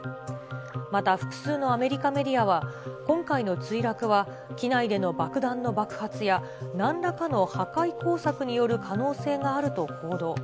また複数のアメリカメディアは、今回の墜落は機内での爆弾の爆発や、なんらかの破壊工作による可能性があると報道。